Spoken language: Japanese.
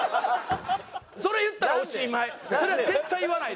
それ言ったらおしまい。